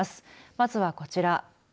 まずはこちら。